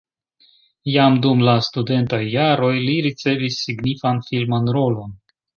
Jam dum la studentaj jaroj li ricevis signifan filman rolon.